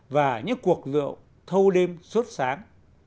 và những cuộc rượu thâu đêm suốt sáng